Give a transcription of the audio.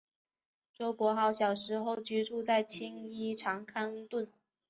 周柏豪小时候居住在青衣长康邨。